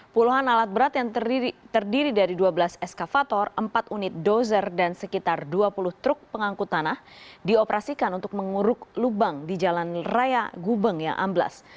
puluhan alat berat yang terdiri dari dua belas eskavator empat unit dozer dan sekitar dua puluh truk pengangkut tanah dioperasikan untuk menguruk lubang di jalan raya gubeng yang amblas